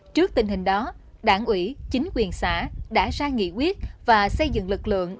trước tình hình đó đảng ủy chính quyền xã đã ra nghị quyết và xây dựng lực lượng